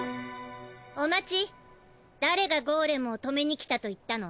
お待ち誰がゴーレムを止めに来たと言ったの？